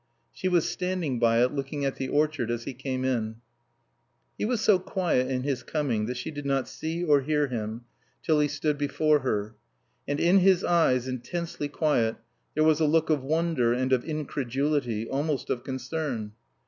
She was standing by it looking at the orchard as he came in. He was so quiet in his coming that she did not see or hear him till he stood before her. And in his eyes, intensely quiet, there was a look of wonder and of incredulity, almost of concern.